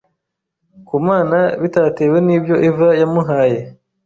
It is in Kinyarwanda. ku Mana bitatewe nibyo Eva yamuhaye